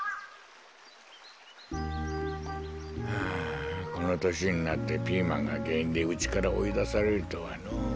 ああこのとしになってピーマンがげんいんでうちからおいだされるとはのう。